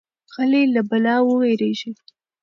غلی، له بلا ووېریږي.